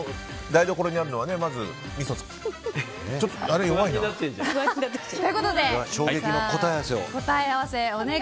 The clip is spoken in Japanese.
台所にあるのはまずみそですもんね。